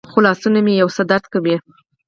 خو لاسونه مې یو څه درد کوي.